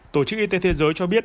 tổ chức y tế thế giới cho biết